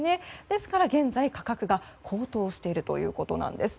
ですから現在価格が高騰しているということなんです。